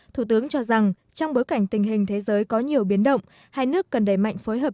thủ tướng cho rằng trong bối cảnh tình hình thế giới có nhiều biến động hai nước cần đẩy mạnh phối hợp